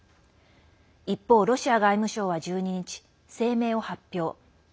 一方、ロシア外務省は１２日声明を発表。